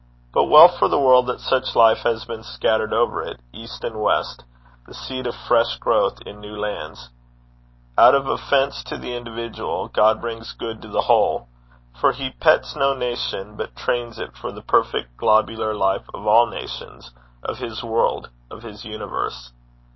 But well for the world that such life has been scattered over it, east and west, the seed of fresh growth in new lands. Out of offence to the individual, God brings good to the whole; for he pets no nation, but trains it for the perfect globular life of all nations of his world of his universe.